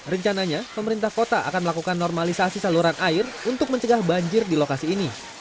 rencananya pemerintah kota akan melakukan normalisasi saluran air untuk mencegah banjir di lokasi ini